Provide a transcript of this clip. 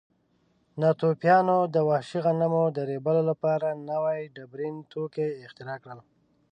ناتوفیانو د وحشي غنمو د ریبلو لپاره نوي ډبرین توکي اختراع کړل.